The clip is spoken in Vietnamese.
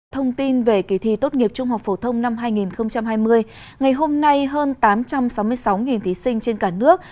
thông tin về kỳ thi tốt nghiệp trung học phổ thông năm hai nghìn hai mươi ngày hôm nay hơn tám trăm sáu mươi sáu thí sinh trên cả nước